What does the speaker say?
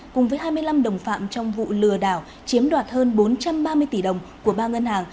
cùng với hai mươi năm đồng phạm trong vụ lừa đảo chiếm đoạt hơn bốn trăm ba mươi tỷ đồng của ba ngân hàng